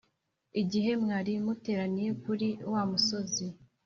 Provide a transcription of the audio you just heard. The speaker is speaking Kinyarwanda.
igihe mwari muteraniye kuri wa musozi.